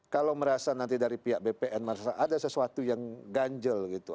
kalau merasa nanti dari pihak bpn ada sesuatu yang ganjel gitu